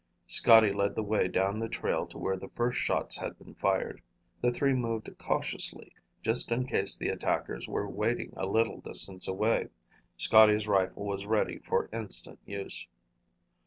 Scotty led the way down the trail to where the first shots had been fired. The three moved cautiously, just in case the attackers were waiting a little distance away. Scotty's rifle was ready for instant use.